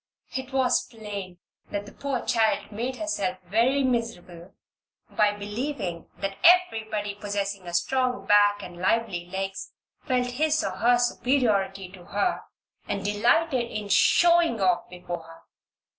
It was plain that the poor child made herself very miserable by believing that everybody possessing a strong back and lively legs felt his or her superiority to her and delighted in "showing off" before her.